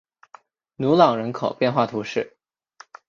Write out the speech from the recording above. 努朗人口变化图示